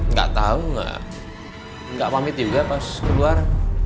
gak tau gak pamit juga pas keluar